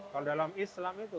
kalau dalam islam itu